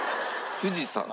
富士山。